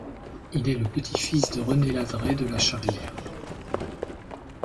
Il est le petit-fils de René Ladreit de La Charrière.